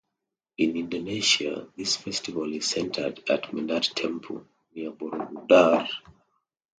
In Indonesia, this festival is centered at Mendut Temple, near Borobudur.